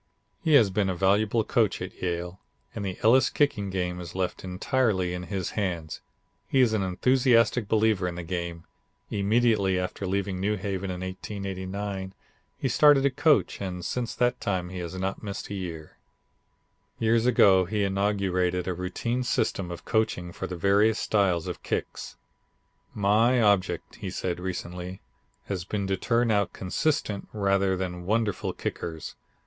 He has been a valuable coach at Yale and the Elis' kicking game is left entirely in his hands. He is an enthusiastic believer in the game. Immediately after leaving New Haven in 1889 he started to coach and since that time he has not missed a year. Years ago he inaugurated a routine system of coaching for the various styles of kicks. "My object," he said recently, "has been to turn out consistent rather than wonderful kickers.